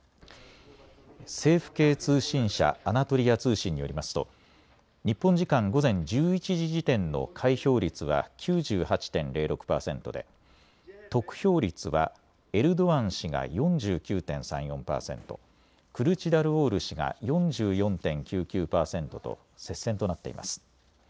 政府系通信社アナトリア通信によりますと日本時間午前１１時時点の開票率は９８．０６％で得票率はエルドアン氏が４９．３４％、クルチダルオール氏が４４．９９％と接戦となっています。